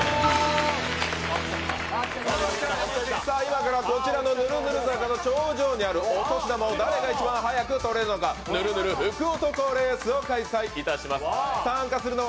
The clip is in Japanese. さあ、今からこちらのぬるぬる坂の頂上にあるお年玉を誰が一番早く取れるのか、ぬるぬる福男レースを開催いたします。